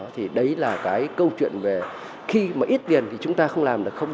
thì đấy là cái câu chuyện về khi mà ít tiền thì chúng ta không làm được không